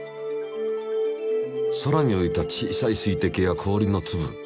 空にういた小さい水滴や氷のつぶ。